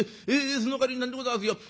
そのかわりなんでございますよ